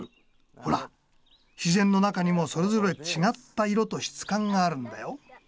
ほら自然の中にもそれぞれ違った色と質感があるんだよ。